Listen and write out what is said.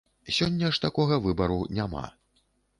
Сёння ж такога выбару няма.